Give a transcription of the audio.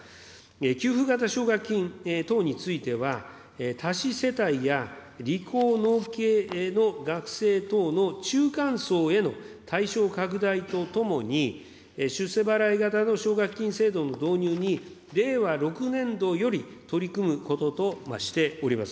給付型奨学金等については、多子世帯や理工、農経の学生等の中間層への対象拡大とともに、出世払い型の奨学金制度の導入に、令和６年度より取り組むこととしております。